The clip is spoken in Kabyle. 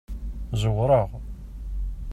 Zerrweɣ.